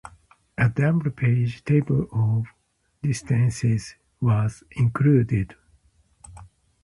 A double page table of distances was included.